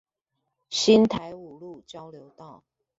新台五路交流道